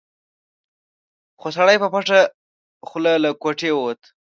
خو سړی په پټه خوله له کوټې ووت.